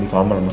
di kamar mak